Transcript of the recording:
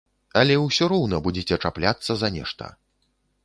Але ўсё роўна будзеце чапляцца за нешта.